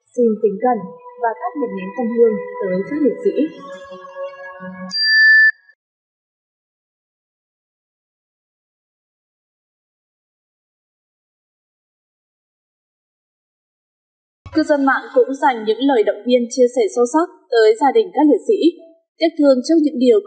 xin tính gần và tắt một nếm thông hương tới các nữ dị